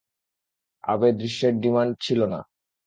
আবে, দৃশ্যের ডিমান্ড ছিলো না!